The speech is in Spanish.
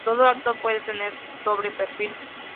Todo acto puede tener doble perfil.